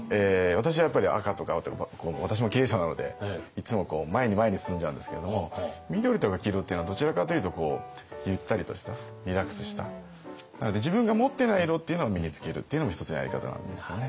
私はやっぱり赤とか青とか私も経営者なのでいつも前に前に進んじゃうんですけれども緑とか黄色っていうのはどちらかというとゆったりとしたリラックスしたなので自分が持ってない色っていうのを身に着けるっていうのも一つのやり方なんですよね。